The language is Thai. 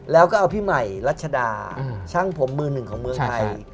แล้วก็เอาพี่ใหม่รัชดาช่างผมมือหนึ่งของเมืองไทย